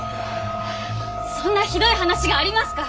そんなひどい話がありますか？